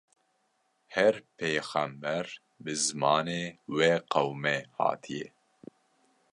her pêyxember bi zimanê wê qewmê hatiye.